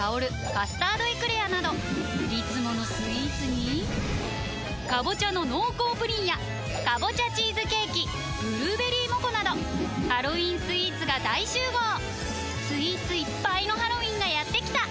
「カスタードエクレア」などいつものスイーツに「かぼちゃの濃厚プリン」や「かぼちゃチーズケーキ」「ぶるーべりーもこ」などハロウィンスイーツが大集合スイーツいっぱいのハロウィンがやってきた！